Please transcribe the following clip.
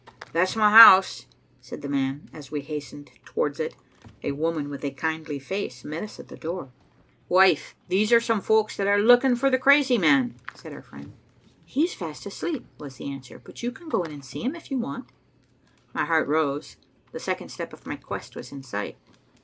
"That's my house," said the man, as we hastened towards it. A woman with a kindly face met us at the door. "Wife, these are some folks that are looking for the crazy man," said our friend. "He's fast asleep," was the answer, "but you can go in and see him, if you want to." My heart rose. The second step of my quest was in sight.